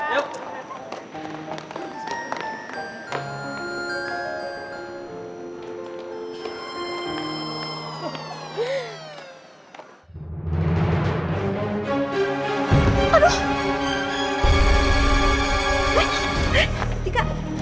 eh eh dika